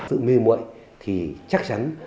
sự mê mội thì chắc chắn là